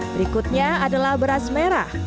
berikutnya adalah beras merah